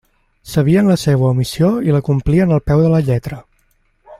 Sabien la seua missió i la complien al peu de la lletra.